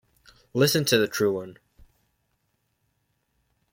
Listen to the true one.